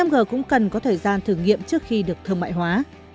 năm g cũng cần có thời gian thử nghiệm trước khi được thương mại hóa